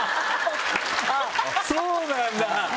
あっそうなんだ！